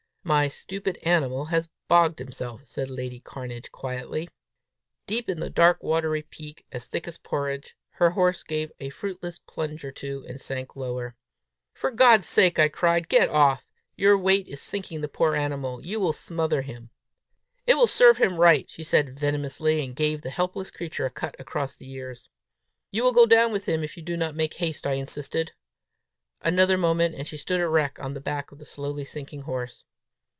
"My stupid animal has bogged himself!" said lady Cairnedge quietly. Deep in the dark watery peat, as thick as porridge, her horse gave a fruitless plunge or two, and sank lower. "For God's sake," I cried, "get off! Your weight is sinking the poor animal! You will smother him!" "It will serve him right," she said venomously, and gave the helpless creature a cut across the ears. "You will go down with him, if you do not make haste," I insisted. Another moment and she stood erect on the back of the slowly sinking horse.